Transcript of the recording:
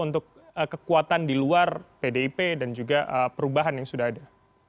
untuk kekuatan di luar pdip dan juga perubahan yang sudah ada